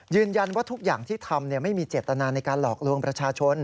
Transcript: ยืนยันว่าทุกอย่างที่ทำไม่มีเจตนาในการหลอกลวงประชาชน